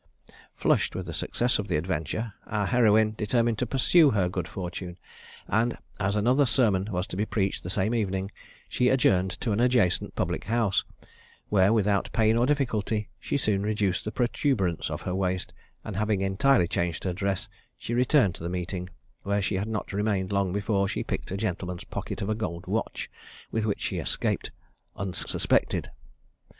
Flushed with the success of the adventure, our heroine determined to pursue her good fortune; and as another sermon was to be preached the same evening, she adjourned to an adjacent public house, where, without either pain or difficulty, she soon reduced the protuberance of her waist, and having entirely changed her dress, she returned to the meeting, where she had not remained long before she picked a gentleman's pocket of a gold watch, with which she escaped unsuspected.